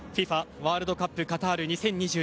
ワールドカップカタール２０２２